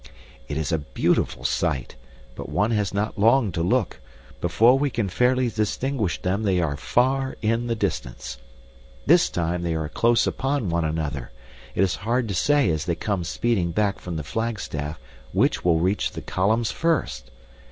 It is a beautiful sight, but one has not long to look; before we can fairly distinguish them they are far in the distance. This time they are close upon one another; it is hard to say as they come speeding back from the flagstaff which will reach the columns first.